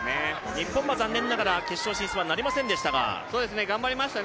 日本は残念ながら決勝進出はなりませんでした。